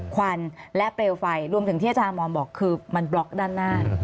ควันและเปลวไฟรวมถึงที่อาจารย์มอมบอกคือมันบล็อกด้านหน้า